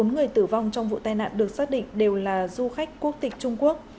bốn người tử vong trong vụ tai nạn được xác định đều là du khách quốc tịch trung quốc